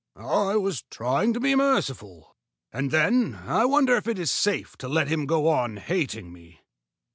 "I was trying to be merciful. And then, I wonder if it is safe to let him go, hating me?